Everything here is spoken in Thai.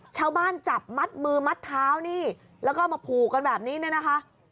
จับมัดมือมัดเท้านี่แล้วก็เอามาผูกกันแบบนี้เนี่ยนะคะ